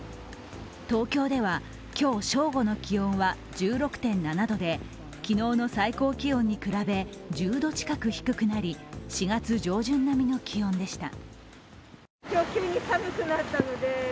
東京では、今日正午の気温は１６．７度で昨日の最高気温に比べ１０度近く低くなり、４月上旬並みの気温でした。